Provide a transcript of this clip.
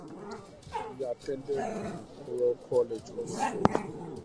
He attended Oriel College, Oxford.